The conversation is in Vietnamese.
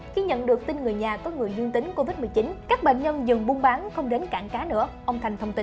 khi nhận được tin người nhà có người dương tính covid một mươi chín các bệnh nhân dừng buôn bán không đến cảng cá nữa ông thành thông tin